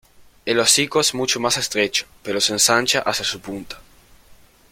El hocico es mucho más estrecho, pero se ensancha hacia su punta.